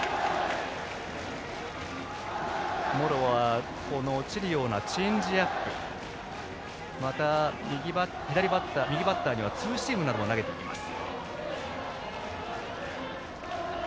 茂呂はこの落ちるようなチェンジアップまた、右バッターにはツーシームなども投げていきます。